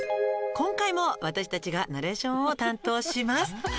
「今回も私たちがナレーションを担当します」